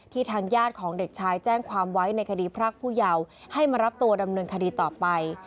ทางญาติของเด็กชายแจ้งความไว้ในคดีพรากผู้เยาว์ให้มารับตัวดำเนินคดีต่อไป